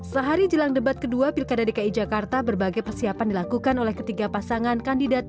sehari jelang debat kedua pilkada dki jakarta berbagai persiapan dilakukan oleh ketiga pasangan kandidat